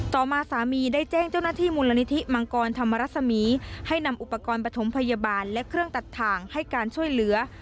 ต่อมาสามีได้แจ้งเจ้าหน้าที่มูลนิธิมังกรธรรมรสมีให้นำอุปกรณ์ปฐมพยาบาลและเครื่องตัดถ่างให้การช่วยเหลือ